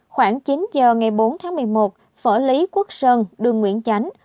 khoảng chín giờ ngày bốn tháng một mươi một phở lý quốc sơn đường nguyễn chánh